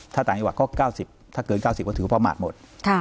ถ้าต่างกว่าก็๙๐กิโลเมตรถ้าเกิน๙๐กิโลเมตรถือว่าประมาทหมด